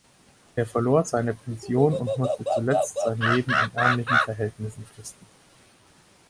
Er verlor seine Pension und musste zuletzt sein Leben in ärmlichen Verhältnissen fristen.